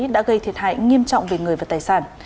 đã gây thiệt hại nghiêm trọng về người và tài sản